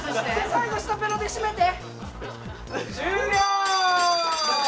最後舌ペロで締めて！